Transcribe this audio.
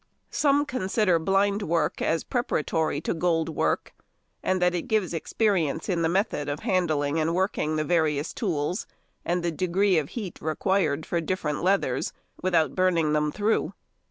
Some consider blind work as preparatory to gold work, and that it gives experience in the method of handling and working the various tools, and the degree of heat required for different leathers without burning them through.